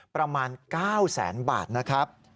ประมาณ๙แสนบาทนะครับ